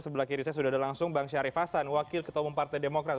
sebelah kiri saya sudah ada langsung bang syari fasan wakil ketumum partai demokrat